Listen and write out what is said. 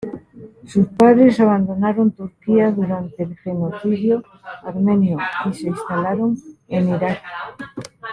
Sus padres abandonaron Turquía durante el genocidio armenio y se instalaron en Irak.